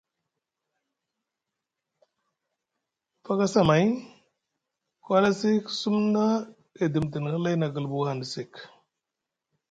Fakasi amay ku halasi ku sumna edi midini hlay na guilɓu hanɗa sek.